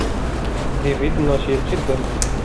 ديفيد نشيط جداً.